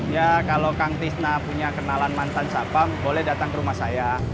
ya kalau kang tisna punya kenalan mantan sapam boleh datang ke rumah saya